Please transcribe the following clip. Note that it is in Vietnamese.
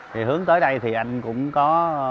thì hướng tới đây thì anh cũng có